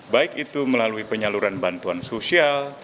baik itu melalui penyaluran bantuan sosial